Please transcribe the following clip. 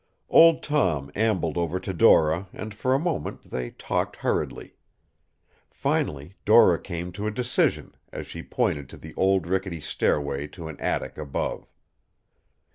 Old Tom ambled over to Dora and for a moment they talked hurriedly. Finally Dora came to a decision, as she pointed to the old rickety stairway to an attic above.